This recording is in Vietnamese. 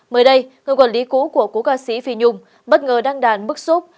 mới đây người quản lý cũ của cố ca sĩ phi nhung bất ngờ đăng đàn bức xúc